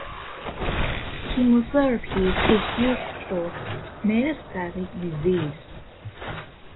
Chemotherapy is used for metastatic disease.